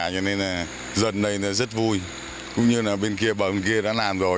cho nên là dân đây rất vui cũng như là bên kia bờ bên kia đã làm rồi